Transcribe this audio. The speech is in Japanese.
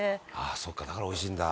「そっかだから美味しいんだ」